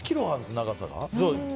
長さが。